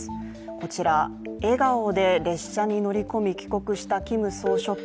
こちら、笑顔で列車に乗り込み帰国したキム総書記。